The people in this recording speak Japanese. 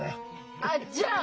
あっじゃあ？